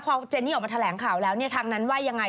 พอเจนี่ออกมาแถลงข่าวแล้วเนี่ยทางนั้นว่ายังไง